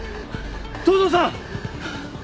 東堂さん！